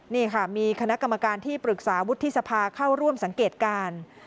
นี่ค่ะมีคณะกรรมการที่ปรึกษาวุฒิสภาเข้าร่วมสังเกตการ